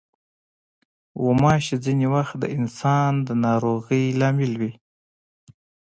غوماشې ځینې وخت د انسان د ناروغۍ لامل وي.